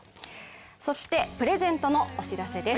そして、プレゼントのお知らせです